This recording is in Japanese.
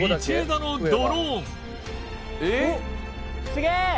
「すげえ！」